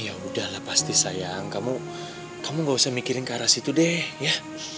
ya udahlah pasti sayang kamu gak usah mikirin ke arah situ deh ya